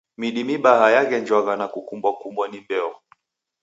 Midi mibaha yaghenjwagha na kukumbwa-kumbwa ni mbeo.